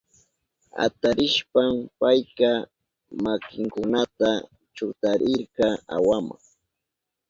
Atarishpan payka makinkunata chutarirka awama.